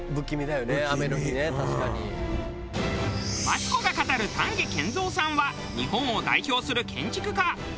マツコが語る丹下健三さんは日本を代表する建築家。